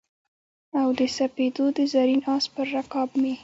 او د سپېدو د زرین آس پر رکاب مې